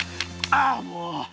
ああもう！